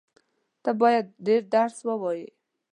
ته بايد ډېر درس ووایې.